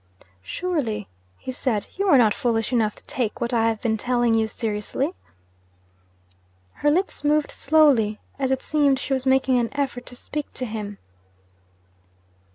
'Surely,' he said, 'you are not foolish enough to take what I have been telling you seriously?' Her lips moved slowly. As it seemed, she was making an effort to speak to him.